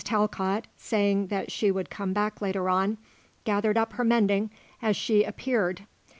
Talcott, saying that she would come back later on, gathered up her mending as she appeared.